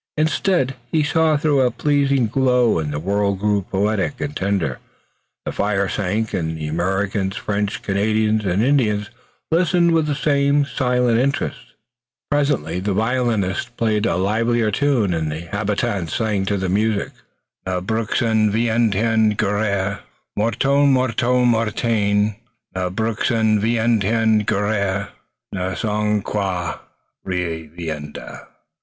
Instead, he saw through a pleasing glow and the world grew poetic and tender. The fire sank and Americans, French, Canadians and Indians listened with the same silent interest. Presently the violinist played a livelier tune and the habitants sang to the music: "Malbrouck, s'en va t en guerre Mironton, mironton, mirontaine; Malbrouck s'en va t en guerre Ne sait quand reviendra."